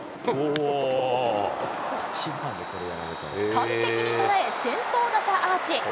完璧に捉え、先頭打者アーチ。